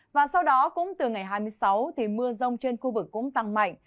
và sau đó cũng từ ngày hai mươi sáu thì mưa rông trên khu vực cũng tăng mạnh